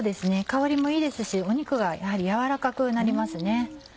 香りもいいですし肉がやはり軟らかくなりますね。